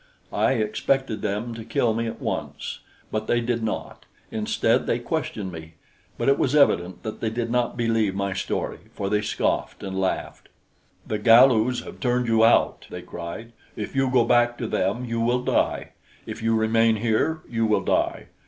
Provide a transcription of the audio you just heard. I expected them to kill me at once, but they did not. Instead they questioned me; but it was evident that they did not believe my story, for they scoffed and laughed. "The Galus have turned you out," they cried. "If you go back to them, you will die. If you remain here, you will die.